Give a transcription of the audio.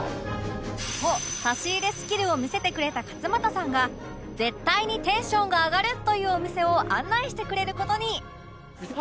と差し入れスキルを見せてくれた勝俣さんが絶対にテンションが上がるというお店を案内してくれる事に